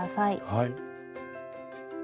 はい。